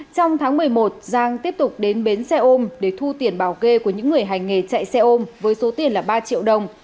trong tháng một mươi một giang tiếp tục đến bến xe ôm để thu tiền bảo kê của những người hành nghề chạy xe ôm với số tiền là ba triệu đồng